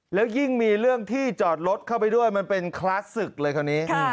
แล้วยิ่งมีเรื่องที่จอดรถเข้าไปด้วยมันเป็นคลาสศึกเลยคราวนี้